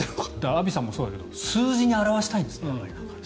アビさんもそうだけど数字に表したいんですね。